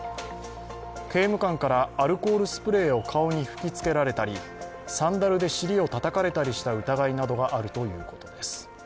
刑務官からアルコールスプレーを顔に吹きつけられたりサンダルで尻をたたかれたりした疑いがあるということです。